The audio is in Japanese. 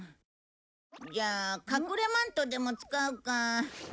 じゃあかくれマントでも使うか。